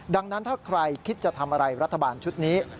ดังนั้นถ้าใครคิดจะทำอะไรรัฐบาลชุดนี้